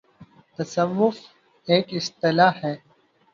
' تصوف‘ ایک اصطلاح ہے۔